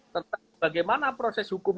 tapi bagaimana proses hukum